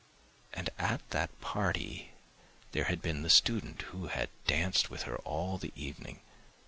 and at that party there had been the student who had danced with her all the evening.